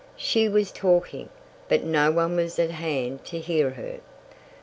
She was talking, but no one was at hand to hear her.